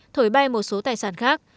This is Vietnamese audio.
thổi bay một số tài sản khác